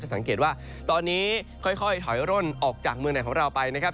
สังเกตว่าตอนนี้ค่อยถอยร่นออกจากเมืองไหนของเราไปนะครับ